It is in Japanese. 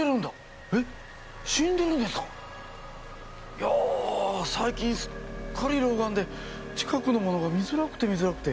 いやぁ最近すっかり老眼で近くのものが見づらくて見づらくて。